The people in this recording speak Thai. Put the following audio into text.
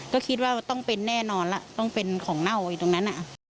ก็คิดว่าต้องเป็นแน่นอนล่ะต้องเป็นของเน่าอยู่ตรงนั้น